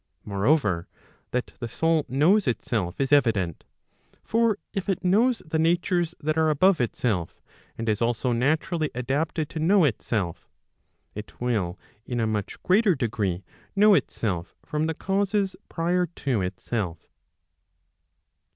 Moreover, that the soul knows itself is evident. For if it knows the natures that are above itself, and is also naturally adapted to know itself, it will in a much greater degree know itself from the causes prior to itself.